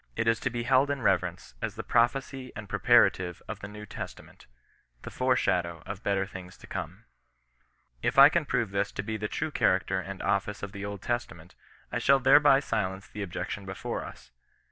It is to be held in reverence as the prophecy and preparative of the New Testament — the fore shadow of better things to come. If I can prove this to be the true character and office of the Old Testament, I shall thereby silence the objection before us.